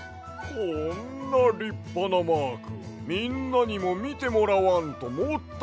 こんなりっぱなマークみんなにもみてもらわんともったいないわ！